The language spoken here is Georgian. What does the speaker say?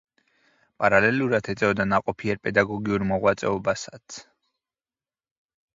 პარალელურად ეწეოდა ნაყოფიერ პედაგოგიურ მოღვაწეობასაც.